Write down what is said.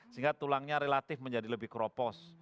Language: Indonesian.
sehingga tulangnya relatif menjadi lebih keropos